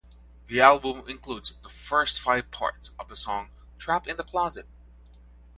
The album includes the first five parts of the song Trapped in the Closet.